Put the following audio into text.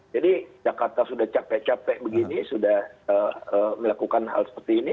jadi jakarta sudah capek capek begini sudah melakukan hal seperti ini